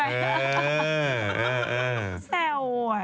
แซวอะ